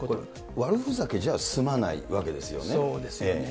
悪ふざけじゃ済まないわけでそうですよね。